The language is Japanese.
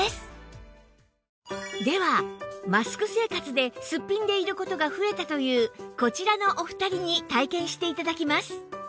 ではマスク生活でスッピンでいる事が増えたというこちらのお二人に体験して頂きます